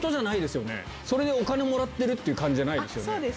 それでお金もらってる感じじゃないですよね？